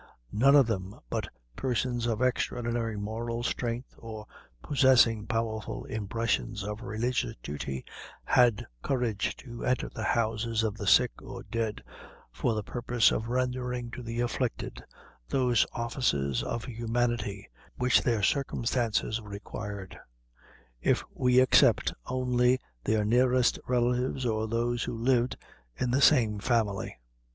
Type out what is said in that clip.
None, then, but persons of extraordinary moral strength, or possessing powerful impressions of religious duty, had courage to enter the houses of the sick or dead, for the purpose of rendering to the afflicted those offices of humanity which their circumstances required; if we except only their nearest relatives, or those who lived in the same family.